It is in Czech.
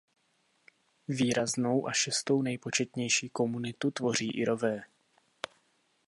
Výraznou a šestou nejpočetnější komunitu tvoří Irové.